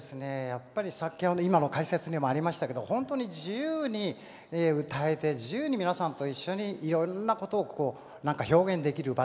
やっぱり今の解説にもありましたけどほんとに自由に歌えて自由に皆さんと一緒にいろんなことを表現できる場所であった。